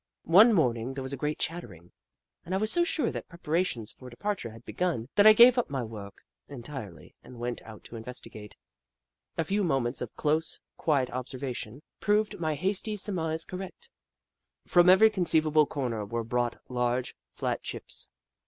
One morning there was a great chattering, and I was so sure that preparations for de parture had begun that I gave up my work entirely and went out to investigate. A few moments of close, quiet observation proved my hasty surmise correct. From every conceivable corner were brought large, flat chips.